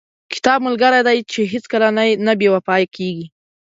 • کتاب ملګری دی چې هیڅکله نه بې وفا کېږي.